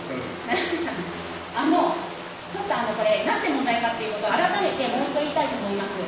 あの、ちょっとあのこれ、なんで問題かっていうことこれ、改めてもう一度言いたいと思います。